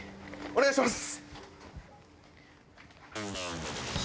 お願いします！